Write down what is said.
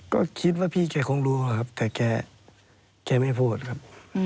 ก็คิดว่าพี่แกคงรู้ครับแต่แกไม่พูดครับ